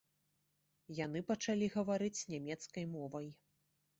Яны пачалі гаварыць нямецкай мовай.